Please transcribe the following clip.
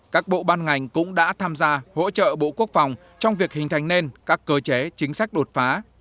các bộ ban ngành cũng đã tham gia hỗ trợ bộ quốc phòng trong việc hình thành nên các cơ chế chính sách đột phá